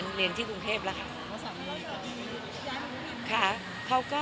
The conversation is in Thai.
โดยเรียนที่กรุงเทพฯ